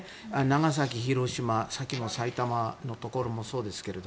長崎、広島や、さっきの埼玉のところもそうですが。